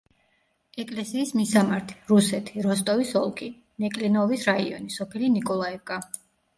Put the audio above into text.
ეკლესიის მისამართი: რუსეთი, როსტოვის ოლქი, ნეკლინოვის რაიონი, სოფელი ნიკოლაევკა.